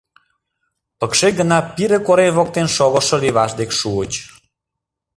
Пыкше гына Пире корем воктен шогышо леваш дек шуыч.